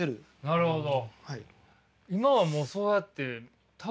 なるほど。